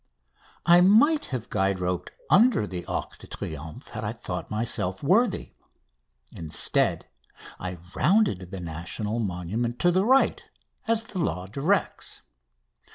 I might have guide roped under the Arc de Triomphe had I thought myself worthy. Instead, I rounded the national monument to the right, as the law directs.